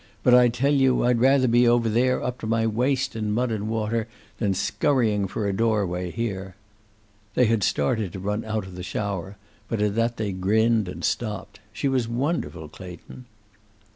But I tell you, I'd rather be over there, up to my waist in mud and water, than scurrying for a doorway here.' They had started to run out of the shower, but at that they grinned and stopped. She was wonderful, Clayton."